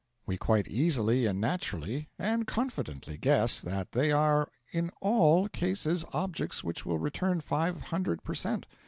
We quite easily and naturally and confidently guess that they are in all cases objects which will return five hundred per cent.